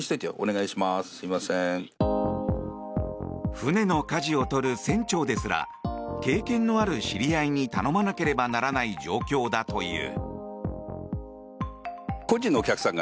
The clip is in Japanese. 船のかじを取る船長ですら経験のある知り合いに頼まなければならない状況だという。